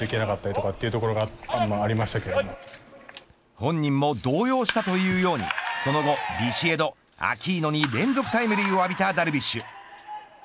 本人も動揺したというようにその後ビシエド、アキーノに連続タイムリーを浴びたダルビッシュ。